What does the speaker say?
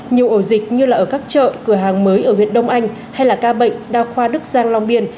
nhiều ổ dịch như là ở các chợ cửa hàng mới ở huyện đông anh hay là ca bệnh đa khoa đức giang long biên